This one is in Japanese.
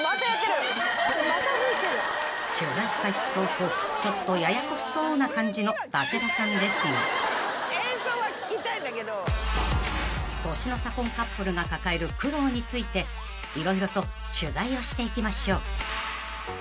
［取材開始早々ちょっとややこしそうな感じの武田さんですが年の差婚カップルが抱える苦労について色々と取材をしていきましょう］